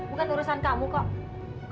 bukan urusan kamu kok